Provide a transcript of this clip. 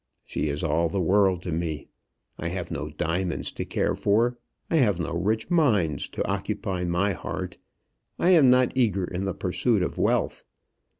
She is all the world to me. I have no diamonds to care for; I have no rich mines to occupy my heart; I am not eager in the pursuit of wealth.